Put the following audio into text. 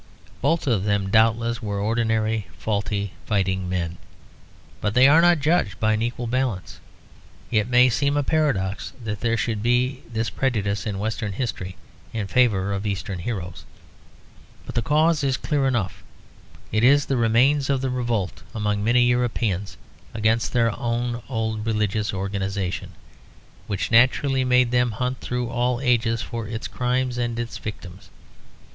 Both of them doubtless were ordinary faulty fighting men, but they are not judged by an equal balance. It may seem a paradox that there should be this prejudice in Western history in favour of Eastern heroes. But the cause is clear enough; it is the remains of the revolt among many Europeans against their own old religious organisation, which naturally made them hunt through all ages for its crimes and its victims.